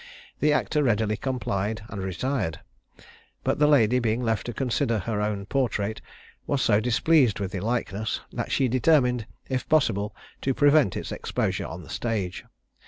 The actor readily complied, and retired; but the lady being left to consider her own portrait, was so displeased with the likeness, that she determined, if possible, to prevent its exposure on the stage.